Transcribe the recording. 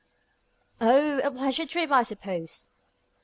"Oh! a pleasure trip, I suppose."